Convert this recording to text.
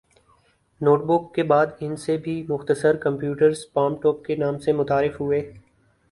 note book کے بعد ان سے بھی مختصر کمپیوٹرز پام ٹوپ کے نام سے متعارف ہوئے